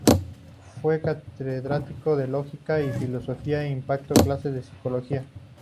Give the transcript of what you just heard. Fue catedrático de Lógica y Filosofía e impartió clases de Psicología.